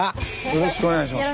よろしくお願いします。